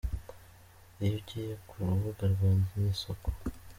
Iyo ugiye ku rubuga rwa Mwisoko.